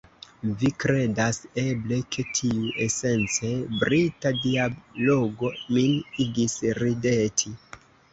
Vi kredas, eble, ke tiu esence Brita dialogo min igis rideti?